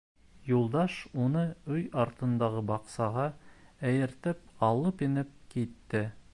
Юлдаш уны өй артындағы баҡсаға эйәртеп алып инеп китте.